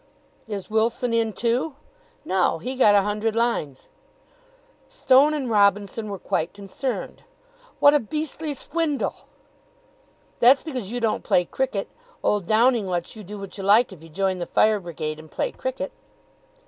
"Is Wilson in too?" "No. He got a hundred lines." Stone and Robinson were quite concerned. "What a beastly swindle!" "That's because you don't play cricket. Old Downing lets you do what you like if you join the Fire Brigade and play cricket."